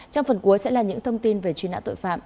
trong phần cuối sẽ là những thông tin về chuyên nạn tội phạm